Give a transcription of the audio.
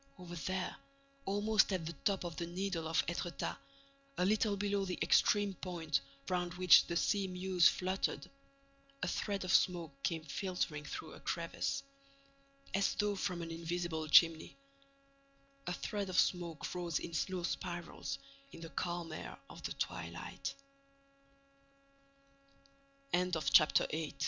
—over there, almost at the top of the Needle of Étretat, a little below the extreme point round which the sea mews fluttered, a thread of smoke came filtering through a crevice, as though from an invisible chimney, a thread of smoke rose in slow spirals in the calm air of the twi